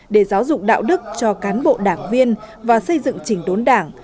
để giáo dục đạo đức cho cán bộ đảng viên và xây dựng chỉnh đốn đảng